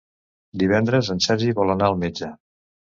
Divendres en Sergi vol anar al metge.